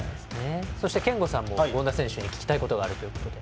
そして憲剛さんも権田選手に聞きたいことがあるそうで。